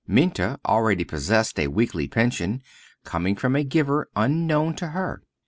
Minta already possessed a weekly pension, coming from a giver unknown to her.